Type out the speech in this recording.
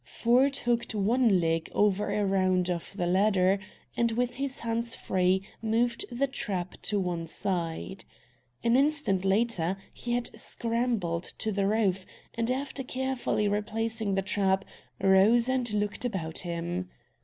Ford hooked one leg over a round of the ladder and, with hands frees moved the trap to one side. An instant later he had scrambled to the roof, and, after carefully replacing the trap, rose and looked about him.